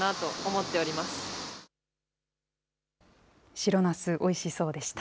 白ナス、おいしそうでした。